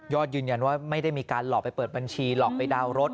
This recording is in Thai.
ยืนยันว่าไม่ได้มีการหลอกไปเปิดบัญชีหลอกไปดาวน์รถ